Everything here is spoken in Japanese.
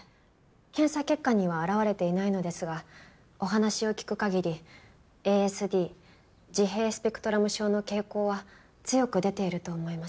検査結果には表れていないのですがお話を聞く限りＡＳＤ自閉スペクトラム症の傾向は強く出ていると思います。